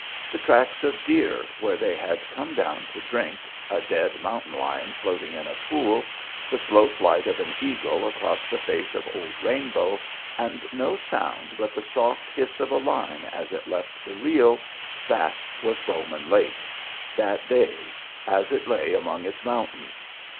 The tracks of deer, where they had come down to drink, a dead mountain lion floating in a pool, the slow flight of an eagle across the face of old Rainbow, and no sound but the soft hiss of a line as it left the reel that was Bowman Lake, that day, as it lay among its mountains.